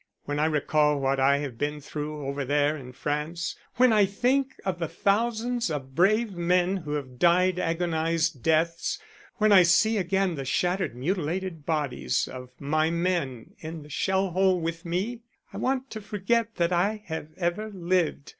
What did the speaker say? When I recall what I have been through over there in France, when I think of the thousands of brave men who have died agonized deaths, when I see again the shattered mutilated bodies of my men in the shell hole with me I want to forget that I have ever lived.